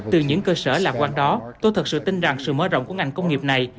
từ những cơ sở lạc quan đó tôi thật sự tin rằng sự mở rộng của ngành công nghiệp này